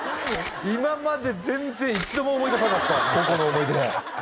今まで全然一度も思い出さなかった高校の思い出